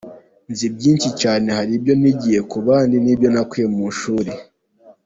Nzi byinshi cyane, hari ibyo nigiye ku bandi n’ibyo nakuye mu ishuri.